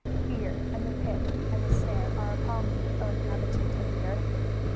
23:024:017 Fear, and the pit, and the snare, are upon thee, O inhabitant of the earth.